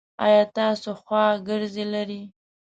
ایا تاسو خواګرځی لری؟